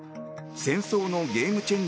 戦争のゲームチェン